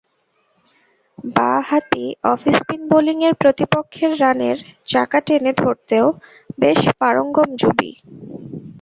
বাঁ হাতি অফস্পিন বোলিংয়ে প্রতিপক্ষের রানের চাকা টেনে ধরতেও বেশ পারঙ্গম যুবি।